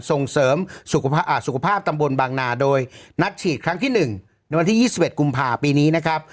ส่งเสริมสุขภาพตำบลบางนาโดยนัดฉีดครั้งที่๑ในวันที่๒๑กุมภาปีนี้นะครับ